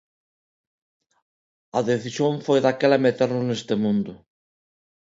A decisión foi daquela meternos neste mundo.